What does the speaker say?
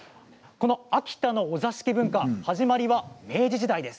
この秋田のお座敷文化の始まりは明治時代です。